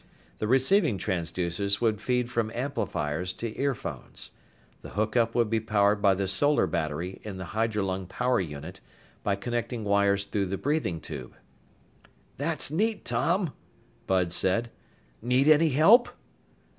The receiving transducers would feed from amplifiers to earphones. The hookup would be powered by the solar battery in the hydrolung power unit, by connecting wires through the breathing tube. "That's neat, Tom," Bud said. "Need any help?"